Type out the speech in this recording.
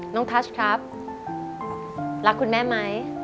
ทัชครับรักคุณแม่ไหม